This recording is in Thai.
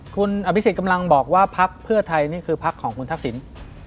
คุณอภิษฎกำลังบอกว่าพักเพื่อไทยนี่คือพักของคุณทักษิณ